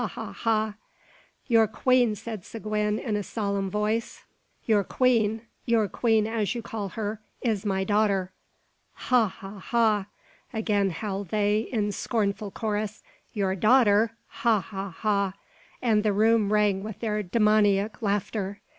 ha!" "Your queen," said Seguin, in a solemn voice; "your queen, as you call her, is my daughter." "Ha! ha! ha!" again howled they, in scornful chorus; "your daughter! Ha! ha! ha!" and the room rang with their demoniac laughter.